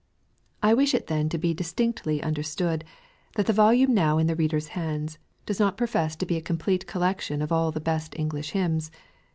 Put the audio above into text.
I wisli it then to be distinctly understood, that the volume now in the reader^s hands, does not profess to be a complete collection of all the best English hymns.